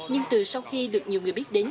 nhưng từ sau khi được nhiều người biết đến